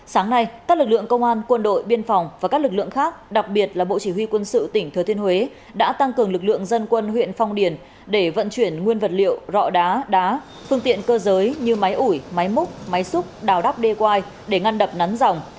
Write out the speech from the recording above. sáng nay các lực lượng công an quân đội biên phòng và các lực lượng khác đặc biệt là bộ chỉ huy quân sự tỉnh thừa thiên huế đã tăng cường lực lượng dân quân huyện phong điền để vận chuyển nguyên vật liệu rọ đá phương tiện cơ giới như máy ủi máy múc máy xúc đào đắp đê quai để ngăn đập nắn dòng